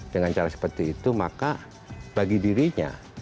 dengan cara seperti itu maka bagi dirinya